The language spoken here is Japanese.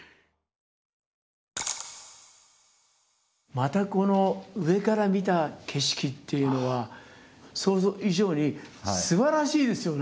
またこの上から見た景色っていうのは想像以上にすばらしいですよね。